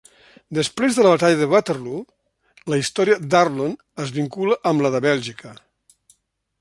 Després de la batalla de Waterloo, la història d'Arlon es vincula amb la de Bèlgica.